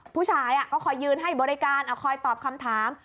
ผู้ชายก็คอยยืนให้บริการคอยตอบคำถาม